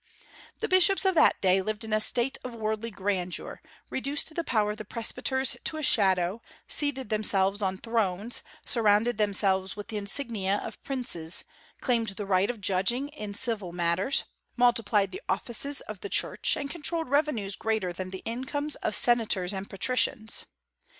The bishops of that day lived in a state of worldly grandeur, reduced the power of presbyters to a shadow, seated themselves on thrones, surrounded themselves with the insignia of princes, claimed the right of judging in civil matters, multiplied the offices of the Church, and controlled revenues greater than the incomes of senators and patricians.